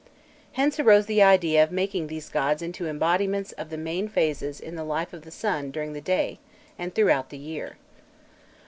Hence arose the idea of making these gods into embodiments of the main phases in the life of the sun during the day and throughout the year.